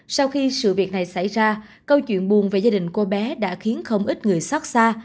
sau khi sự việc này xảy ra câu chuyện buồn về gia đình cô bé đã khiến không ít người xót xa